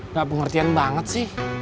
nggak pengertian banget sih